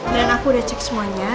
dan aku udah cek semuanya